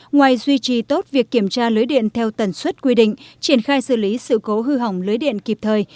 ngoài duy trì tốt việc kiểm tra lưới điện theo tần suất quy định triển khai xử lý sự cố hư hỏng lưới điện kịp thời